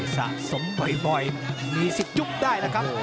สะสมบ่อยหนีสิจุ๊บได้แล้วครับ